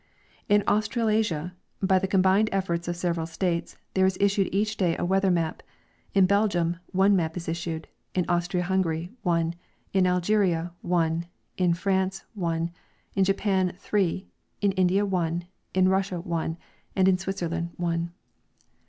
In Australasia, by the combined eflbrts of several states, there is issued each day a weather map; in Belgium, one map is issued ; in Austria Hungary, one ; in Algeria, one ; in France, one ; in Japan, three ; in India, one ; in Russia, one ; and in Switzerland, one.